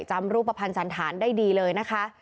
จำรูปภัณฑ์สันธารได้ดีเลยนะคะ